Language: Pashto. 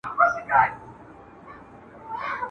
او دا خوب مي تر وروستۍ سلګۍ لیدلای !.